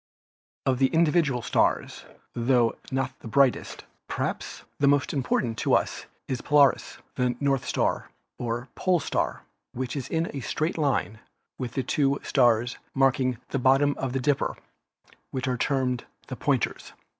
Of the individual stars, tho not the brightest, perhaps 264 ASTRONOMY the most important to us is Polaris, the "North Star" or "Pole Star," which is in a straight line with the two stars marking the bottom of the Dipper, which are termed "the pointers."